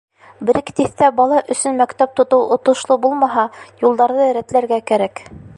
Бер-ике тиҫтә бала өсөн мәктәп тотоу отошло булмаһа, юлдарҙы рәтләргә кәрәк.